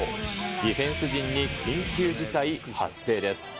ディフェンス陣に緊急事態発生です。